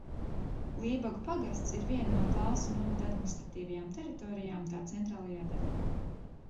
Lībagu pagasts ir viena no Talsu novada administratīvajām teritorijām tā centrālajā daļā.